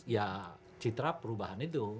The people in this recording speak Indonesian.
ya citra perubahan itu